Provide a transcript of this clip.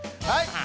はい。